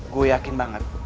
gue yakin banget